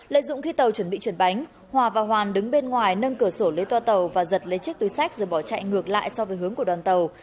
lợi dụng khi tàu chuẩn bị chuyển bánh hòa và hoàn đứng bên ngoài nâng cửa sổ lấy toa tàu và giật lấy chiếc túi sách rồi bỏ chạy ngược lại so với hướng của đoàn tàu